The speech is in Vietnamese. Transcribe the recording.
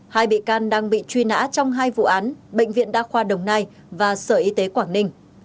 hai bị can đang bị truy nã trong hai vụ án bệnh viện đa khoa đồng nai và sở y tế quảng ninh